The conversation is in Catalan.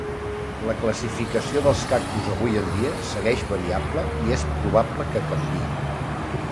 La classificació dels cactus avui en dia segueix variable i és probable que canvii.